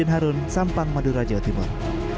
harun sampang madura jawa timur